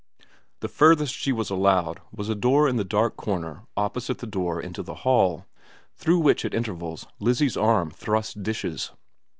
The furthest she was allowed was a door in the dark corner opposite the door into the hall, through which at intervals Lizzie's arm thrust dishes.